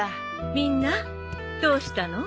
・みんなどうしたの？